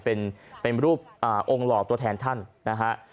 เป็นรูปองค์หลอกตัวแทนท่านนะฮะ